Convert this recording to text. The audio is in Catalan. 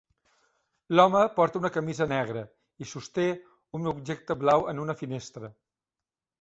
L'home porta una camisa negra i sosté un objecte blau en una finestra.